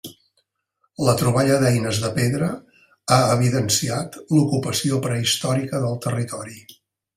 La troballa d'eines de pedra ha evidenciat l'ocupació prehistòrica del territori.